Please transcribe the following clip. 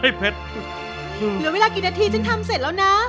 เหลือเวลากี่นาทีฉันทำเสร็จแล้วนะ